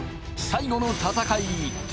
最後の戦い